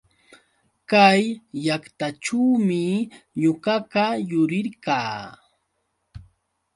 Kay llaqtaćhuumi ñuqaqa yurirqaa.